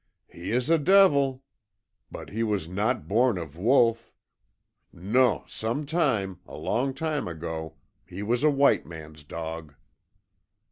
"He is a devil, but he was not born of wolf. NON, some time, a long time ago, he was a white man's dog."